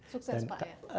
sukses pak ya